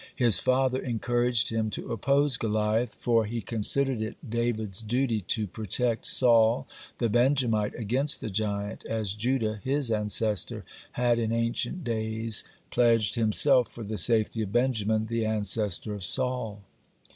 His father encouraged him to oppose Goliath, for he considered it David's duty to protect Saul the Benjamite against the giant, as Judah, his ancestor, had in ancient days pledged himself for the safety of Benjamin, the ancestor of Saul.